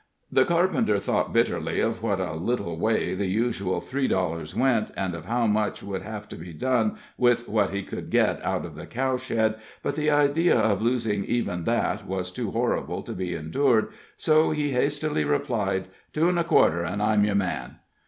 The carpenter thought bitterly of what a little way the usual three dollars went, and of how much would have to be done with what he could get out of the cow shed, but the idea of losing even that was too horrible to be endured, so he hastily replied: "Two an' a quarter, an' I'm your man."